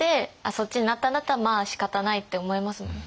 そっちになったんだったらまあしかたないって思えますもんね。